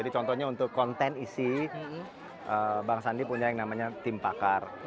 contohnya untuk konten isi bang sandi punya yang namanya tim pakar